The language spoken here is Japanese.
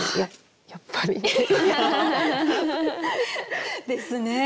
やっぱり。ですね。